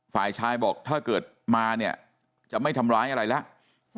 ฝ่ายชายบอกถ้าเกิดมาเนี่ยจะไม่ทำร้ายอะไรแล้ว